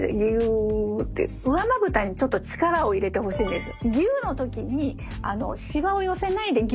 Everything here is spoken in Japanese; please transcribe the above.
上まぶたにちょっと力を入れてほしいんですよ。